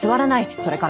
それから。